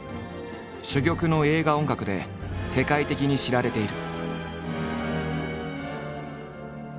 珠玉の映画音楽で世界的に知られている。